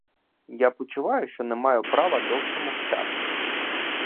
Я почуваю, що не маю права довше мовчати.